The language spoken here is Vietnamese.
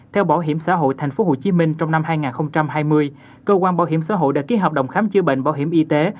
theo bảo hiểm xã hội tp hcm trong năm hai nghìn hai mươi cơ quan bảo hiểm xã hội đã ký hợp đồng khám chữa bệnh bảo hiểm y tế